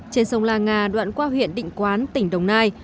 trên sông la nga đoạn qua huyện định quán tỉnh đồng nai